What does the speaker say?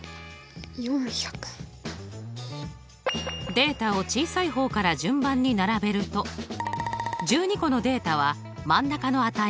データを小さい方から順番に並べると１２個のデータは真ん中の値がありません。